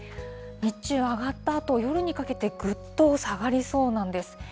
日中上がったあと、夜にかけて、ぐっと下がりそうなんです。